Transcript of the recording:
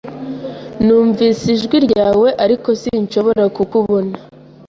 Numvise ijwi ryawe, ariko sinshobora kukubona.